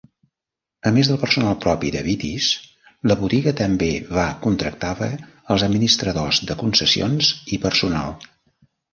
A més del personal propi de Beatties, la botiga també va contractava els administradors de concessions i personal.